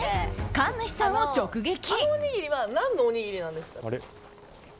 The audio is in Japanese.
神主さんを直撃。